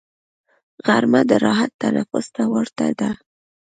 غرمه د راحت تنفس ته ورته ده